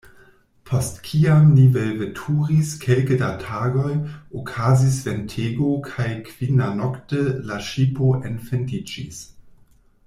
Post kiam ni velveturis kelke da tagoj, okazis ventego, kaj kvinanokte la ŝipo enfendiĝis.